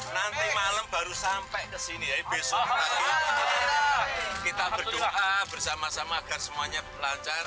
nanti malam baru sampai ke sini besok kita berdoa bersama sama agar semuanya lancar